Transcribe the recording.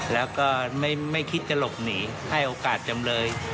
แล้วก็ไม่คิดจะหลบหนีให้โอกาสจำเลย